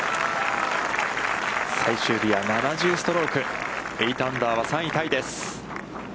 最終日は７０ストローク、８アンダーは３位タイです。